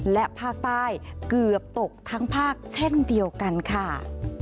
และภาคใต้เกือบตกทั้งภาคเช่นเดียวกันค่ะ